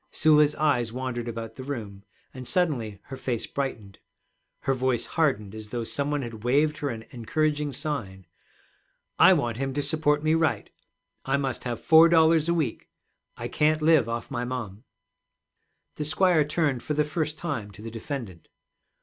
Sula's eyes wandered about the room, and suddenly her face brightened. Her voice hardened as though some one had waved her an encouraging sign. 'I want him to support me right. I must have four dollars a week. I can't live off my mom.' The squire turned for the first time to the defendant.